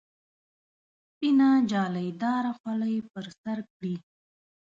سپینه جالۍ داره خولۍ پر سر کړي.